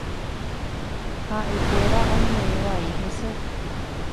Ha’ekuéra oñe’ẽ vai hese.